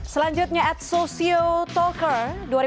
selanjutnya at socio talker